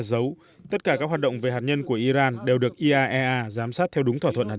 giấu tất cả các hoạt động về hạt nhân của iran đều được iaea giám sát theo đúng thỏa thuận hạt